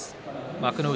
幕内